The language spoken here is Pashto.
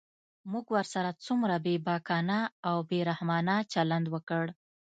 موږ ورسره څومره بېباکانه او بې رحمانه چلند وکړ.